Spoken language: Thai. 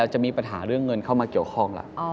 จะมีปัญหาเรื่องเงินเข้ามาเกี่ยวข้องล่ะ